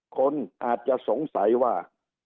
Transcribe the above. คนอาจจะสงสัยว่า